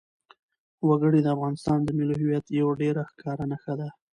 وګړي د افغانستان د ملي هویت یوه ډېره ښکاره نښه ده.